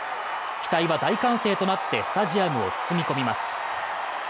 期待は大歓声となってスタジアムを包み込みます。